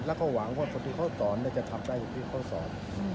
แล้วก็หวังว่าคนที่เขาสอนจะทำได้อย่างที่ข้อสอง